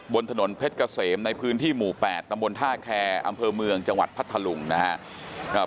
บนถนนเพชรเกษมในพื้นที่หมู่๘ตำบลท่าแคร์อำเภอเมืองจังหวัดพัทธลุงนะครับ